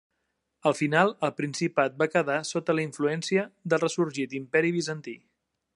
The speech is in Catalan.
Al final, el Principat va quedar sota la influència del ressorgit Imperi Bizantí.